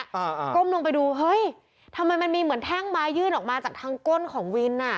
อ่าก้มลงไปดูเฮ้ยทำไมมันมีเหมือนแท่งไม้ยื่นออกมาจากทางก้นของวินอ่ะ